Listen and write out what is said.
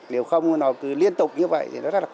nếu không nó cứ liên tục như vậy thì nó rất là